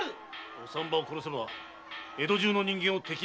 お産婆を殺せば江戸中の人間を敵に回しますぞ。